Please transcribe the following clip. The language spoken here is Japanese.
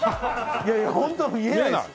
いやいやホント見えないです。